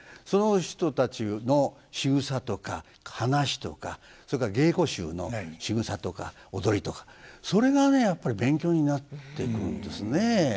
その人たちのしぐさとか話とかそれから芸妓衆のしぐさとか踊りとかそれがねやっぱり勉強になってくるんですね。